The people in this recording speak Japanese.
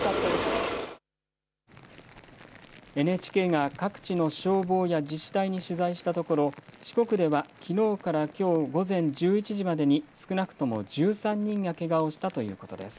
ＮＨＫが各地の消防や自治体に取材したところ、四国ではきのうからきょう午前１１時までに少なくとも１３人がけがをしたということです。